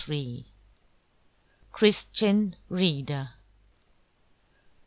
CHRISTIAN READER.